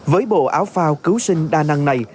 với bộ áo phao cứu sinh đa năng này